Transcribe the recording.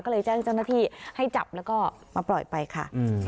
ก็เลยแจ้งเจ้าหน้าที่ให้จับแล้วก็มาปล่อยไปค่ะ